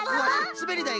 すべりだい。